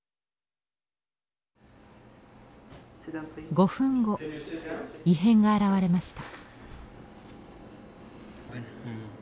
５分後異変が現れました。